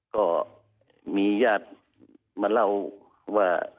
ก็มีญาติมาเล่าว่า